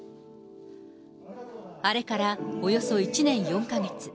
あれからおよそ１年４か月。